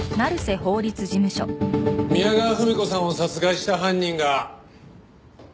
宮川文子さんを殺害した犯人がわかりました。